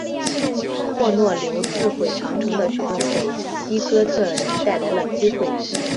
霍诺留自毁长城的举动给西哥特人带来了机会。